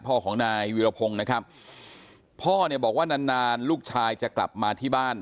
พ่อของนายวิรพงศ์นะครับพ่อเนี่ยบอกว่านานนานลูกชายจะกลับมาที่บ้าน